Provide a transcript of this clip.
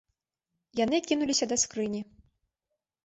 Яны кінуліся да скрыні.